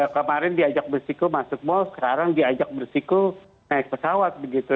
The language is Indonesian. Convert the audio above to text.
kemarin diajak bersiku masuk mal sekarang diajak bersiku naik pesawat begitu